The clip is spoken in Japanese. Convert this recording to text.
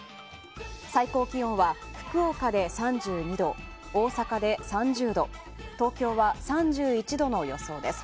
最高気温は福岡で３２度、大阪で３０度東京は３１度の予想です。